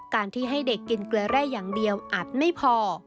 การที่ให้เด็กกินเกลือแร่อย่างเดียวอาจไม่พอ